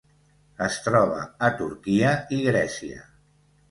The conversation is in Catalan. Es troba a Turquia i Grècia.